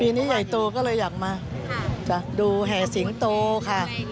นี้ใหญ่โตก็เลยอยากมาดูแห่สิงโตค่ะ